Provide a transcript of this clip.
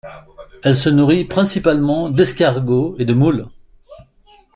Elle se nourrit principalement d'escargots et de moules.